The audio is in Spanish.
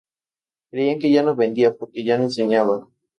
Creían que ya no vendía, porque ya no enseñaba.